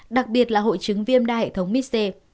đặc biệt là hội chứng viêm đa hệ thống mis c